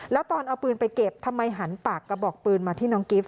แล้วตอนเอาปืนไปเก็บทำไมหันปากกระบอกปืนมาที่น้องกิฟต